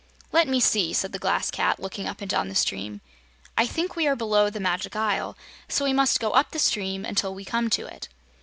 "Let me see," said the Glass Cat, looking up and down the stream, "I think we are below the Magic Isle; so we must go up the stream until we come to it."